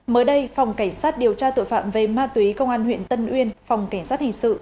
mới đây phòng cảnh sát điều tra tội phạm về ma túy công an huyện tân uyên phòng cảnh sát hình sự